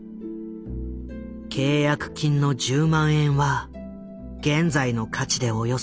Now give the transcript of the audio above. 契約金の１０万円は現在の価値でおよそ２００万円。